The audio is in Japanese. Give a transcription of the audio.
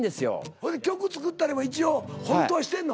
ほいで曲作ったりも一応ほんとはしてんの？